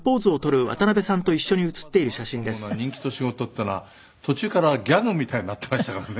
大体あの書いた「いつまでもあると思うな人気と仕事」っていうのは途中からギャグみたいになっていましたからね。